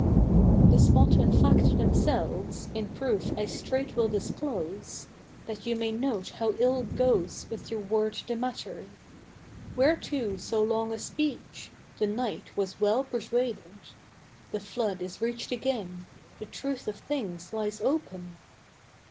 The spot and fact themselves, in proof I straight will disclose, That you may note how ill goes with your word the matter." Whereto so long a speech? The Knight was well persuaded; The flood is reached again, the truth of things lies open!